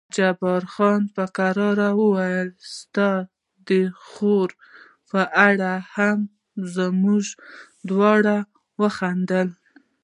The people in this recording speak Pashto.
جبار خان په کرار وویل ستا د خور په اړه هم، موږ دواړو وخندل.